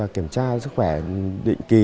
kiểm tra sức khỏe định kỳ